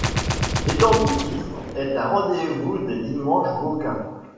L'étang du Titre est un rendez-vous des dimanches bocains.